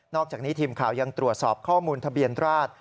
อกจากนี้ทีมข่าวยังตรวจสอบข้อมูลทะเบียนราช